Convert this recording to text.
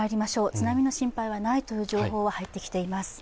津波の心配はないという情報は入ってきています。